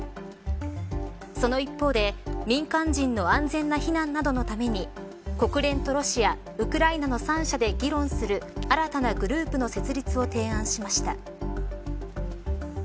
その一方で、民間人の安全な避難などのために国連とロシアウクライナの三者で議論する新たなグループの設立を提案しました。